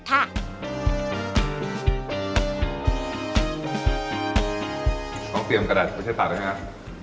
ต้องเตรียมกระดาษไปเช็ดปากด้วยนะครับ